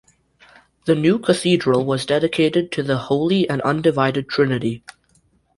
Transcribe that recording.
The new cathedral was dedicated to the Holy and Undivided Trinity.